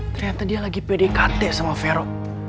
ternyata dia lagi pdkt sama vero